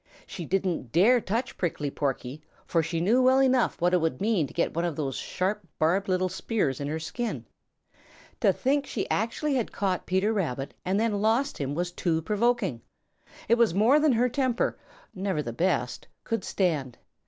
She didn't dare touch Prickly Porky, for she knew well enough what it would mean to get one of those sharp, barbed little spears in her skin. To think that she actually had caught Peter Rabbit and then lost him was too provoking! It was more than her temper, never of the best, could stand.